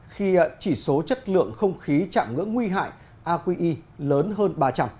khi chỉ số chất lượng không khí chạm ngưỡng nguy hại aqi lớn hơn ba trăm linh